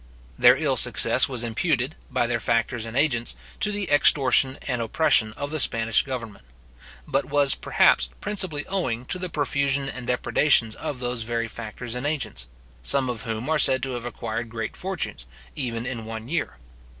Their ill success was imputed, by their factors and agents, to the extortion and oppression of the Spanish government; but was, perhaps, principally owing to the profusion and depredations of those very factors and agents; some of whom are said to have acquired great fortunes, even in one year.